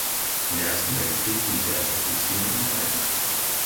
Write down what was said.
Im Ersten Weltkrieg diente er als Offizier in den Alpen.